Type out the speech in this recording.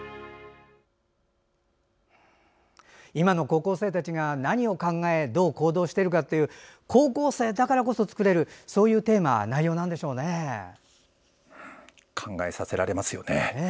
今の高校生たちが何を考えどう行動しているかっていう高校生だからこそ作れるそういうテーマ考えさせられますよね。